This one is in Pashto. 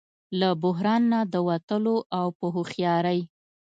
له بحران نه د وتلو او په هوښیارۍ